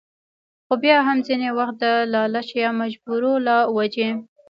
خو بيا هم ځينې وخت د لالچ يا مجبورو له وجې